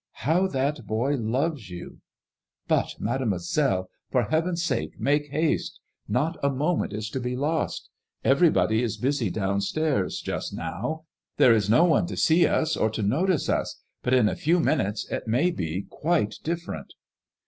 •* How that boy loves you I "'* But, Mademoiselle, for heaven's sake make haste. Not a moment is to be lost. Every body is busy downstairs just now. There is no one to see us, or to notice us; but in a few minutes it may be quite dif ferent.